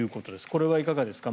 これはいかがですか。